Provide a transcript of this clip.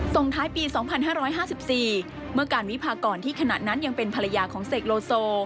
ส่งท้ายปี๒๕๕๔เมื่อการวิพากรที่ขณะนั้นยังเป็นภรรยาของเสกโลโซ